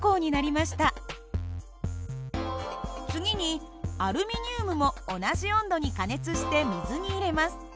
次にアルミニウムも同じ温度に加熱して水に入れます。